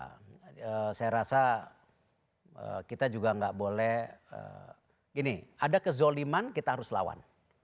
saya rasa kita juga nggak boleh gini ada kezoliman kita harus lawan